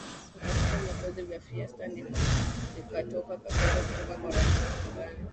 kutafuta viongozi wa fiesta Ndipo likatoka agizo kutoka kwa Rais wa Tanzania